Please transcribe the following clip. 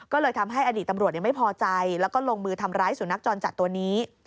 ก็เลยทำให้อดีตตำรวจไม่พอใจแล้วก็ลงมือทำร้ายสุนัขจรจัดตัวนี้